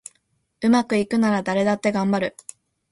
うまくいくなら誰だってがんばる